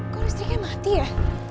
kok listriknya mati ya